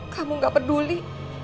kamu gak peduli